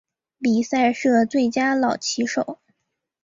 比赛设最佳老棋手。